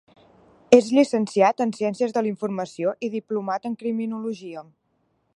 És llicenciat en Ciències de la Informació i diplomat en Criminologia.